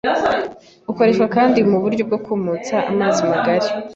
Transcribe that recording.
Ukoreshwa kandi mu buryo bwo kumutsa amazi magari